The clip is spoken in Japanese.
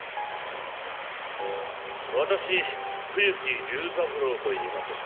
私冬木隆三郎といいます。